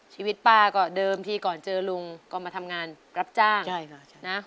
ชีวิตป้าก็เดิมทีก่อนเจอลุงก็มาทำงานรับจ้างนะ